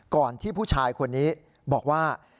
ที่ผู้ชายคนนี้บอกว่า